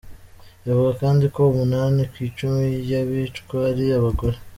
Ivuga kandi ko umunani kw'icumi y'abicwa ari abagore.